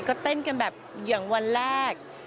ก็เต้นกันแบบอย่างวันแรก